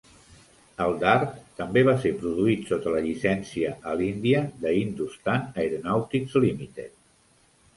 El dard també va ser produït sota la llicència a l'Índia de Hindustan Aeronautics Limited.